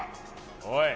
おい！